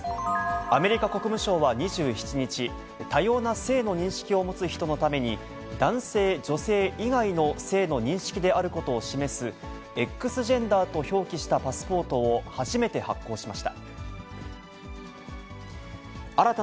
アメリカ国務省は２７日、多様な性の認識を持つ人のために、男性、女性以外の性の認識であることを示す、Ｘジェンダーと表記したパスポートを初めて発行しました。